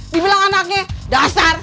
dibilang anaknya dasar